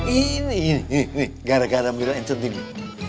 ini ini ini gara gara bilangin centini